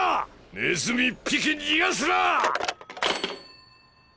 ネズミ一匹逃がすな！